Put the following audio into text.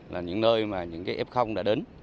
là những nơi mà những cái ép không đã đến